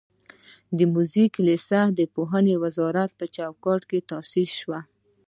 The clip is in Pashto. د موزیک لیسه د پوهنې وزارت په چوکاټ کې تاسیس شوه.